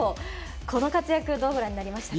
この活躍どうご覧になりましたか。